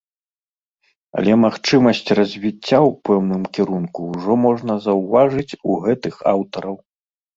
Але магчымасць развіцця ў пэўным кірунку ўжо можна заўважыць у гэтых аўтараў.